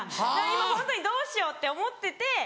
今ホントにどうしようって思ってて。